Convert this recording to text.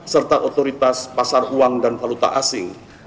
serta otoritas pasar uang dan valuta asing